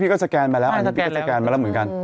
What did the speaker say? ก็สแกนมาแล้วอันนี้พี่ก็สแกนมาแล้วเหมือนกัน